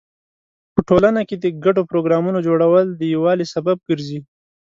په ټولنه کې د ګډو پروګرامونو جوړول د یووالي سبب ګرځي.